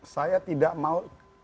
saya tidak mau